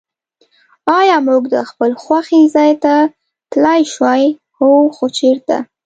آیا موږ د خپل خوښي ځای ته تللای شوای؟ هو. خو چېرته؟